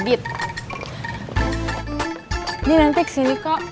aditnya sudah ke sini kok